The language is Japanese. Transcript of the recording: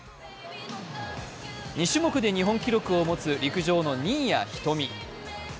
２種目で日本記録を持つ陸上の新谷仁美。